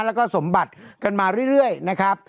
แล้วก็สมบัติกันมาเรื่อยนะครับ